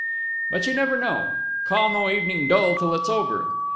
But you never know. Call no evening dull till it is over.